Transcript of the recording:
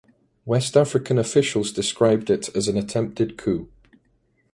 West African officials described it as an "attempted coup".